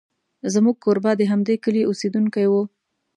زموږ کوربه د همدې کلي اوسېدونکی و.